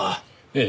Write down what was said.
ええ。